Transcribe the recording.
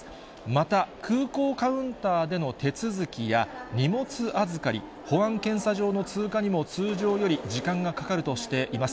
また空港カウンターでの手続きや、荷物預かり、保安検査場の通過にも通常より時間がかかるとしています。